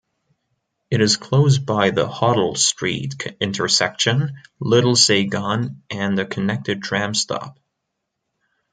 It is close-by the Hoddle Street intersection, Little Saigon and a connected tram stop.